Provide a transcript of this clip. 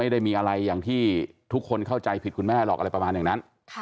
ด้วยนะฮะ